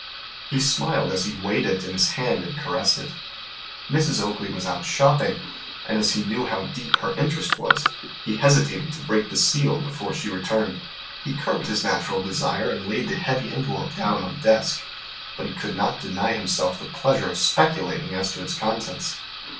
He smiled as he weighed it in his hand and caressed it. Mrs. Oakley was out shopping, and as he knew how deep her interest was, he hesitated to break the seal before she returned. He curbed his natural desire and laid the heavy envelope down on the desk. But he could not deny himself the pleasure of speculating as to its contents.